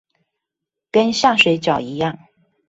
跟下水餃一樣